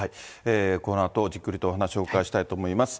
このあとじっくりとお話をお伺いしたいと思います。